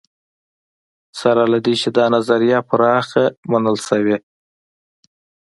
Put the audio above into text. سره له دې چې دا نظریه پراخه منل شوې.